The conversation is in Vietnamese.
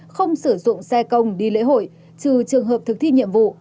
không sử dụng xe công đi lễ hội trừ trường hợp thực thi nhiệm vụ